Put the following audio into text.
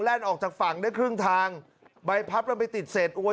ออกจากฝั่งได้ครึ่งทางใบพับแล้วไปติดเศษอวย